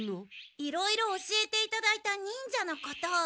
いろいろ教えていただいた忍者のことを。